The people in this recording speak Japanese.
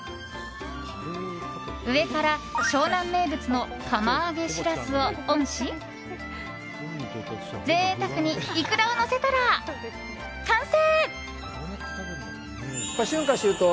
上から湘南名物の釜揚げシラスをオンし贅沢にイクラをのせたら完成。